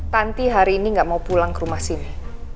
tanti hari ini nggak mau pulang ke rumah sini